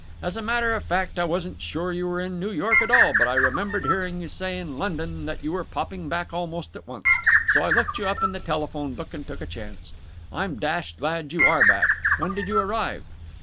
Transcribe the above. As a matter of fact, I wasn't sure you were in New York at all, but I remembered hearing you say in London that you were popping back almost at once, so I looked you up in the telephone book and took a chance. I'm dashed glad you are back. When did you arrive?"